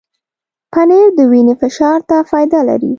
پنېر د وینې فشار ته فایده لري.